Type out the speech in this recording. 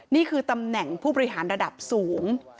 นี่คือตำแหน่งผู้บริหารระดับสูง